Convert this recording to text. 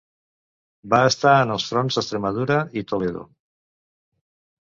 Va estar en els fronts d'Extremadura i Toledo.